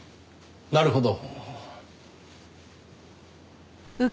なるほど。